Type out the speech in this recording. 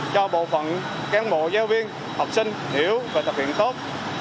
cho bộ phận cán bộ giáo viên học sinh hiểu về tập viện tốt